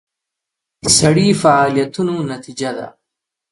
سړي فعالیتونو نتیجه ده.